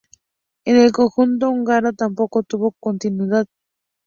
En el conjunto húngaro tampoco tuvo continuidad.